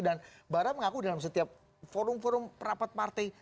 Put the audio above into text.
dan barra mengaku dalam setiap forum forum perapat partai